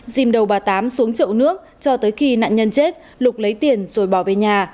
dìm đầu bà tám xuống chậu nước cho tới khi nạn nhân chết lục lấy tiền rồi bỏ về nhà